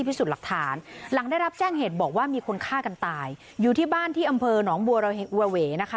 พิสูจน์หลักฐานหลังได้รับแจ้งเหตุบอกว่ามีคนฆ่ากันตายอยู่ที่บ้านที่อำเภอหนองบัวเหวนะคะ